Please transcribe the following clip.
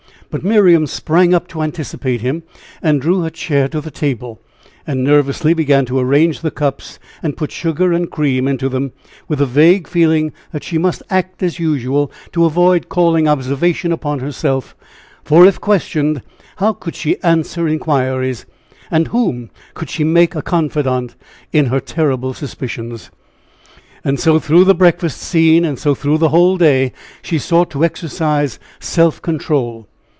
But Miriam sprang up to anticipate him, and drew her chair to the table, and nervously began to arrange the cups and put sugar and cream into them, with the vague feeling that she must act as usual to avoid calling observation upon herself, for if questioned, how could she answer inquiries, and whom could she make a confidant in her terrible suspicions? And so through the breakfast scene, and so through the whole day she sought to exercise self control.